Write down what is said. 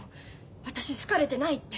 私好かれてないって。